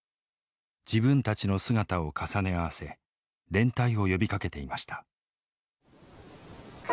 自分たちの姿を重ね合わせ連帯を呼びかけていました。